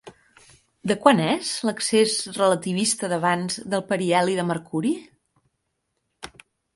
De quant és l'excés relativista d'avanç del periheli de Mercuri?